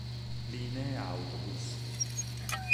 Linee autobus